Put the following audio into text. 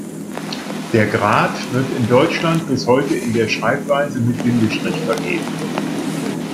Der Grad wird in Deutschland bis heute in der Schreibweise mit Bindestrich vergeben.